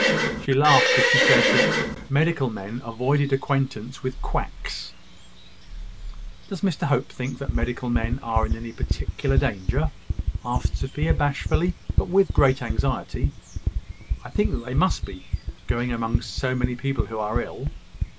She laughed as she said, that medical men avoided acquaintance with quacks. "Does Mr Hope think that medical men are in any particular danger?" asked Sophia, bashfully, but with great anxiety. "I think they must be, going among so many people who are ill.